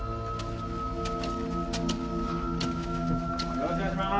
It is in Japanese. よろしくお願いします。